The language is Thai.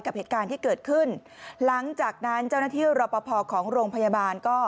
กับเหตุการณ์ที่เกิดขึ้นหลังจากนั้นเจ้าหน้าที่รอปภของโรงพยาบาลก็